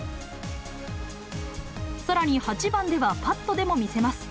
さらに８番ではパットでも見せます。